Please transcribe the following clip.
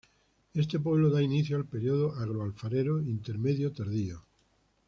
Éste pueblo da inicio al Período Agroalfarero Intermedio Tardío.